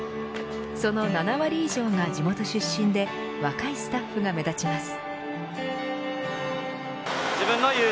その７割以上が地元出身で若いスタッフが目立ちます。